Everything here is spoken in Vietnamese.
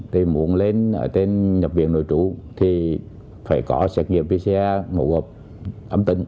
thì muốn lên ở tên nhập viện nội trú thì phải có xét nghiệm vca mậu gột ẩm tĩnh